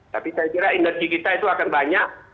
tapi saya kira energi kita itu akan banyak